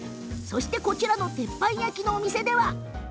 こちらの、鉄板焼きのお店では。